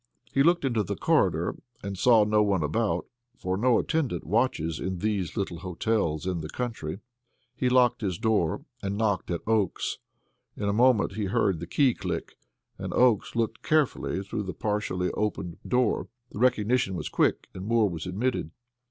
He looked into the corridor and saw no one about, for no attendant watches in these little hotels in the country. He locked his door, and knocked at Oakes's. In a moment he heard the key click, and Oakes looked carefully through the partially opened door. The recognition was quick and Moore was admitted.